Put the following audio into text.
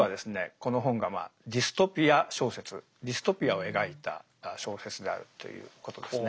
この本がディストピア小説ディストピアを描いた小説であるということですね。